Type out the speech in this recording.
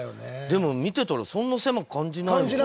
でも見てたらそんな狭く感じないですね。